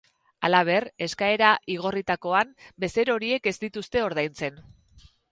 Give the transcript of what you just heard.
Hala ere, eskaera igorritakoan, bezero horiek ez dituzte ordaintzen.